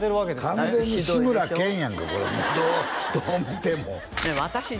完全に志村けんやんかこれもうどう見ても私ね